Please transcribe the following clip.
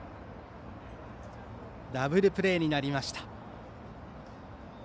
ダブルプレーになりました。